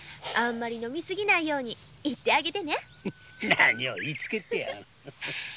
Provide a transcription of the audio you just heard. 何を言いつけてやがる！